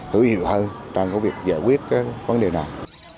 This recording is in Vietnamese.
hữu hiệu hơn trong việc giải quyết vấn đề nào